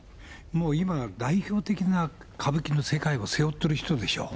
もう今、代表的な、歌舞伎の世界を背負っている人でしょ。